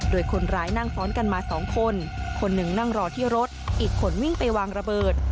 โดยคนร้ายนั่งซ้อนกันมาสองคนคนหนึ่งนั่งรอที่รถอีกคนวิ่งไปวางระเบิด